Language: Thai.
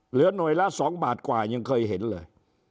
เหลือหน่วยละ๒บาทกว่ายังเคยเห็นเลย